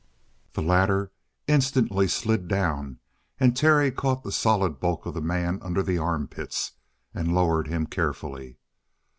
The latter instantly slid down and Terry caught the solid bulk of the man under the armpits and lowered him carefully.